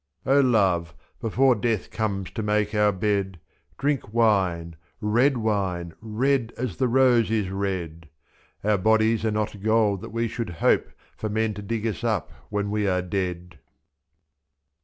98 O love, before death comes to make our bed. Drink wine, red wine, red as the rose is red, ^i^j.Qur bodies are not gold that we should hope For men to dig us up when we are dead.